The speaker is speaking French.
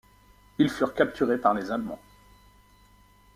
Ils furent capturés par les Allemands.